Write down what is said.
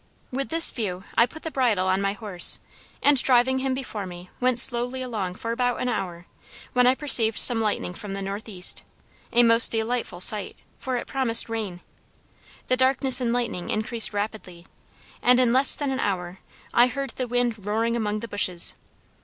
"With this view, I put the bridle on my horse, and driving him before me, went slowly along for about an hour, when I perceived some lightning from the northeast; a most delightful sight; for it promised rain. The darkness and lightning increased rapidly; and in less than an hour I heard the wind roaring among the bushes.